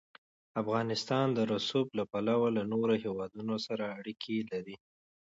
افغانستان د رسوب له پلوه له نورو هېوادونو سره اړیکې لري.